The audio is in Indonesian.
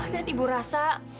dan ibu rasa